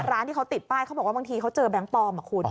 ร้านที่เขาติดป้ายเขาบอกว่าบางทีเขาเจอแบงค์ปลอมอ่ะคุณ